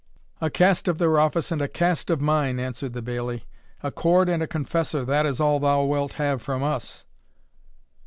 "A cast of their office, and a cast of mine," answered the bailie; "a cord and a confessor, that is all thou wilt have from us."